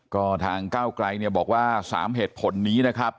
ก็ทางก้าวไกลเนี่ยบอกว่า๓เหตุผลนี้นะครับ